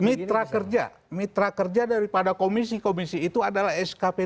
mitra kerja mitra kerja daripada komisi komisi itu adalah skpd skpd perangkat perangkat